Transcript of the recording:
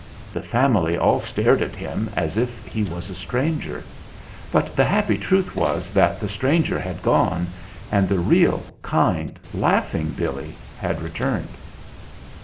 The family all stared at him, as if he was a stranger ; but the happy truth was that the stranger had gone and the real, kind, laughing Billy had returned.